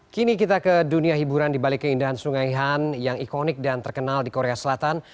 kini kita ke dunia hiburan di balik keindahan sungai han yang ikonik dan terkenal di korea selatan